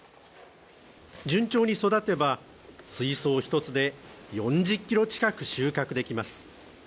順調に育てば水槽１つで４０ｋｇ近く収穫できます。